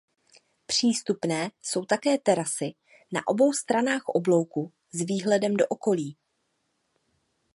Přístupné jsou také terasy na obou stranách oblouku s výhledem do okolí.